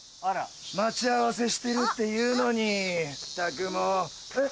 待ち合わせしてるっていうのに全くもう。え？